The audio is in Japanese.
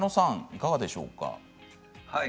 いかがでしょうか。